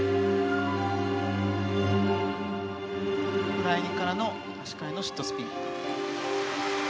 フライングからの足換えのシットスピン。